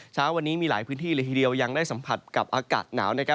เช้าวันนี้มีหลายพื้นที่เลยทีเดียวยังได้สัมผัสกับอากาศหนาว